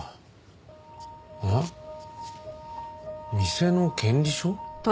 店の権利書？